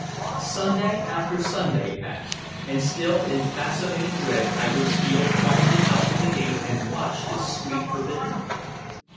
Sunday after Sunday passed, and still in fascinated dread I would steal quietly out to the gate and watch this street forbidden.